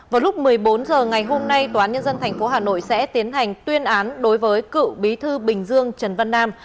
vào lúc một mươi bốn h ngày hôm nay tòa án nhân dân tp hà nội sẽ tiến hành tuyên án đối với cựu bí thư bình dương trần văn nam